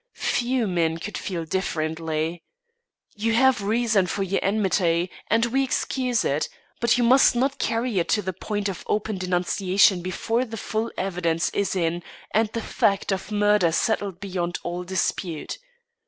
Few men could feel differently. You have reason for your enmity and we excuse it; but you must not carry it to the point of open denunciation before the full evidence is in and the fact of murder settled beyond all dispute.